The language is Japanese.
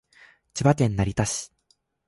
千葉県成田市